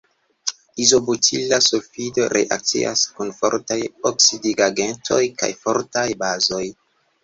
Izobutila sulfido reakcias kun fortaj oksidigagentoj kaj fortaj bazoj.